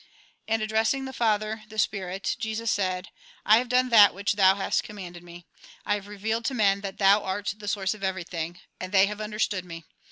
And addressing the Father, the Spirit, Jesus said :" I have done that which Thou hast commanded me ; I have revealed to men that Thou art the source of everything. And they have understood me.